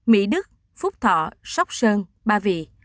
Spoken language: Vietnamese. mỹ đức phúc thọ sóc sơn ba vị